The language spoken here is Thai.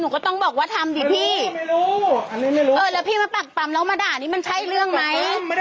ก็คุยกันดีก็ได้นี่